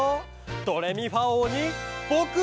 ドレミファおうにぼくはなる！